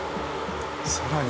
さらに。